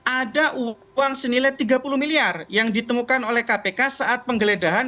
ada uang senilai tiga puluh miliar yang ditemukan oleh kpk saat penggeledahan